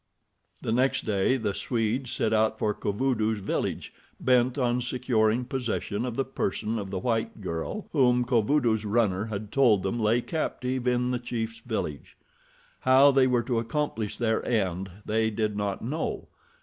The next day the Swedes set out for Kovudoo's village bent on securing possession of the person of the white girl whom Kovudoo's runner had told them lay captive in the chief's village. How they were to accomplish their end they did not know.